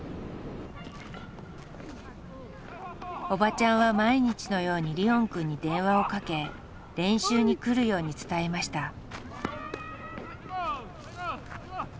おばちゃんは毎日のようにリオンくんに電話をかけ練習に来るように伝えました。